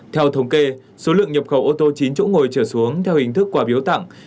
theo thống kê số lượng nhập khẩu ô tô chín chỗ ngồi trở xuống theo hình thức quả biếu tặng